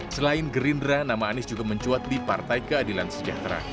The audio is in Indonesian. selain gerindra nama anies juga mencuat di partai keadilan sejahtera